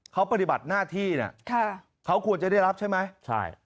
เขาปฏิบัติหน้าที่เขาควรจะได้รับใช่ไหม